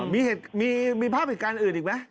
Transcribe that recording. มีภาพเหตุการณ์อื่นอีกไหม